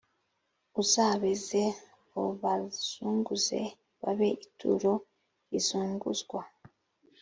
uzabeze ubazunguze babe ituro rizunguzwa